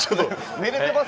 寝れてますか。